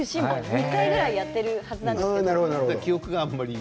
２回ぐらいやってるはずなんですけど。